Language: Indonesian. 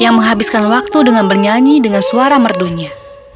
yang menghabiskan waktu dengan bernyanyi dengan suara merdunya